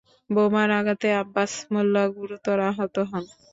বোমার আঘাতে আব্বাস মোল্লা গুরুতর আহত হন।